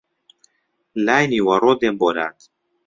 لای نیوەڕۆ دێم بۆ لات